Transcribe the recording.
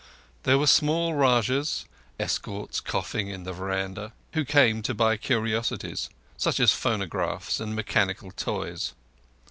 There were small Rajahs, escorts coughing in the veranda, who came to buy curiosities—such as phonographs and mechanical toys.